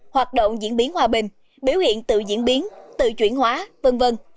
hoạt động diễn biến hòa bình biểu hiện tự diễn biến tự chuyển hóa v v